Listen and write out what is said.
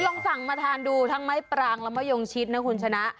ลองสั่งมาทานดูทั้งไม้ปรางและมะยงชิดนะคุณชนะ